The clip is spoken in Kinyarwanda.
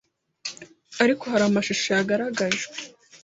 ariko hari amashusho yagaragajwe